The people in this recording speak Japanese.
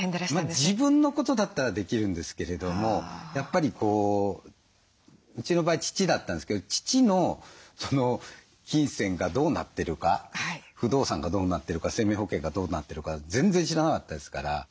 自分のことだったらできるんですけれどもやっぱりこううちの場合父だったんですけど父の金銭がどうなってるか不動産がどうなってるか生命保険がどうなってるか全然知らなかったですから。